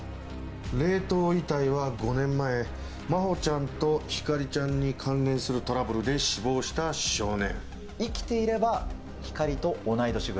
冷凍遺体は５年前、真帆ちゃんと光莉ちゃんに関連するトラブルで死亡した少年。